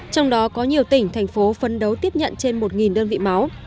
trong đó có nhiều tỉnh thành phố phấn đấu tiếp nhận trên một đơn vị máu